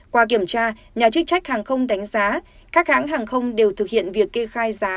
qua kiểm tra nhà chức trách hàng không đánh giá các hãng hàng không đều thực hiện việc kê khai giá